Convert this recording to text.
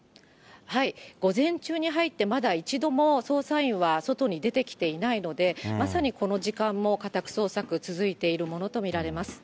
午前中に入ってまだ一度も捜査員は外に出てきていないので、まさにこの時間も家宅捜索続いているものと見られます。